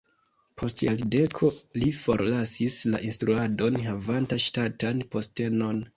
Post jardeko li forlasis la instruadon havanta ŝtatan postenon.